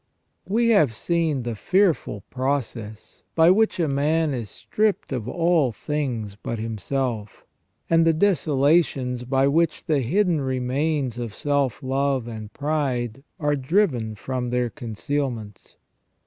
We have seen the fearful process by which a man is stripped of all things but himself, and the desolations by which the hidden remains of self love and pride are driven from their concealments.